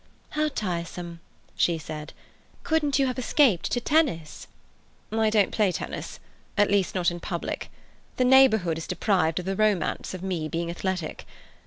"How tiresome!" she said. "Couldn't you have escaped to tennis?" "I don't play tennis—at least, not in public. The neighbourhood is deprived of the romance of me being athletic.